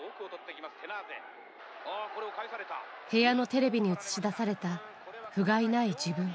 部屋のテレビに映し出されたふがいない自分。